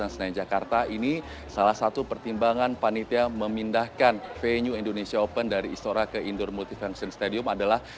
di senayan jakarta ini salah satu pertimbangan panitia memindahkan venue indonesia open dari istora ke indoor multifunction stadium adalah